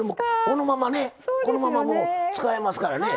このままもう使えますからね。